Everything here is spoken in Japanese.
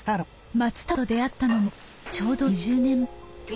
松太郎と出会ったのもちょうど２０年前。